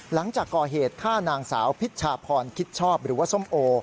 หลังจากก่อเหตุฆ่านางสาวพิชชาพรคิดชอบหรือว่าส้มโอ